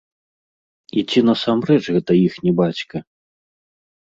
І ці насамрэч гэта іхні бацька?